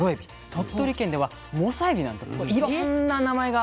鳥取県ではモサエビなんていろんな名前があるんですね。